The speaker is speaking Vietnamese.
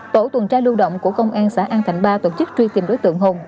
tổ tuần tra lưu động của công an xã an thạnh ba tổ chức truy tìm đối tượng hùng